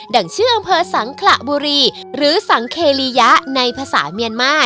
่งชื่ออำเภอสังขระบุรีหรือสังเครียะในภาษาเมียนมา